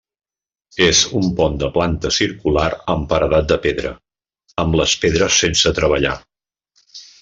És un pont de planta circular amb paredat de pedra, amb les pedres sense treballar.